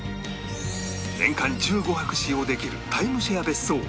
年間１５泊使用できるタイムシェア別荘